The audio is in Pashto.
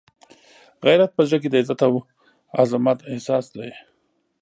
غیرت په زړه کې د عزت او عزمت احساس دی.